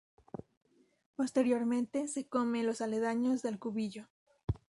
Posteriormente se come en los aledaños del Cubillo.